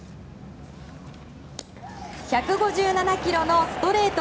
１５７キロのストレート。